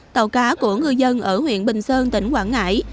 tàu cá của ngư dân ở huyện bình sơn tỉnh quảng ngãi